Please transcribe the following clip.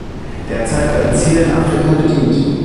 Derzeit werden Ziele in Afrika bedient.